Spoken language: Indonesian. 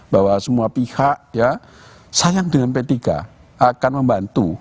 bahwa semua pihak ya sayang dengan p tiga akan membantu